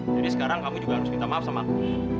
jadi sekarang kamu juga harus minta maaf sama aku